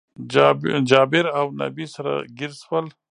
جابير اونبي سره ګير شول